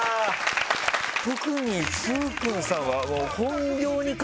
特に崇勲さんは。